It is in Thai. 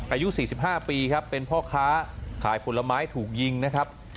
อายุ๔๕ปีครับเป็นพ่อค้าขายผลไม้ถูกยิงนะครับ